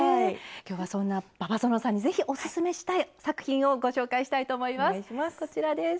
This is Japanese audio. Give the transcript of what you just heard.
今日はそんな馬場園さんにぜひおすすめしたい作品をご紹介したいと思います。